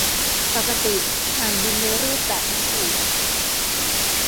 ปกติห่านบินในรูปแบบนั้นหรือ